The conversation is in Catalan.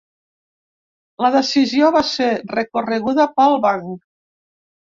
La decisió va ser recorreguda pel banc.